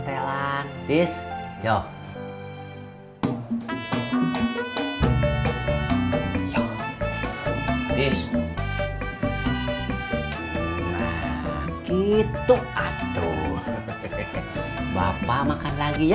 telan bis yo yo bis itu atuh bapak makan lagi ya